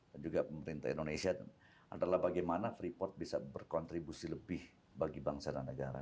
dan juga pemerintah indonesia adalah bagaimana freeport bisa berkontribusi lebih bagi bangsa dan negara